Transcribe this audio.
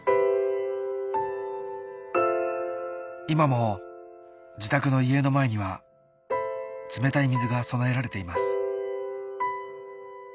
今も自宅の家の前には冷たい水が供えられています